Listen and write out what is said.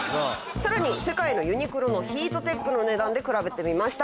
更に世界のユニクロのヒートテックの値段で比べてみました。